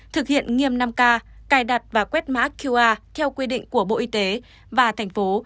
thực hiện nghiêm năm k cài đặt và quét mã qr theo quy định của bộ y tế và thành phố